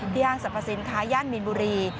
ห้างสรรพสินค้าย่านมีนบุรี